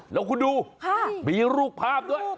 แล้วคุณดูมีรูปภาพด้วย